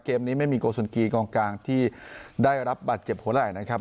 เกมนี้ไม่มีโกสุนกีกองกลางที่ได้รับบัตรเจ็บหัวไหล่นะครับ